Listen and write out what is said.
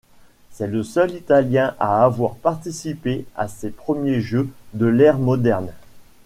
C'est le seul Italien à avoir participé à ces premiers Jeux de l'ère moderne.